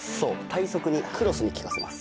体側にクロスに効かせます。